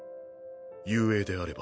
雄英であれば。